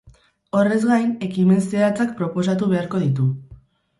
Horrez gain, ekimen zehatzak proposatu beharko ditu.